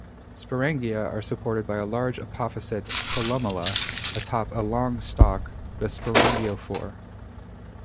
Sporangia are supported by a large apophysate columella atop a long stalk, the sporangiophore.